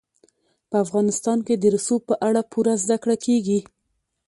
په افغانستان کې د رسوب په اړه پوره زده کړه کېږي.